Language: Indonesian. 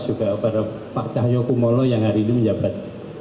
juga pada pak cahyokumolo yang hari ini menjabat